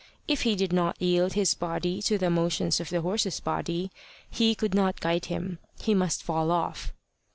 If he did not yield his body to the motions of the horse's body, he could not guide him; he must fall off.